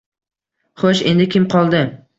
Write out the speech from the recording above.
Xo`sh, endi kim qoldi